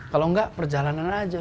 kalau enggak perjalanan aja